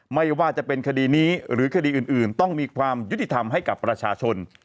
ไม่ว่าจะเป็นคดีนี้หรือคดีอื่นต้องมีความยุติธรรมให้กับประชาชน